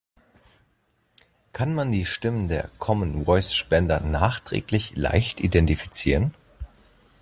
Kann man die Stimmen der Common Voice Spender nachträglich leicht identifizieren?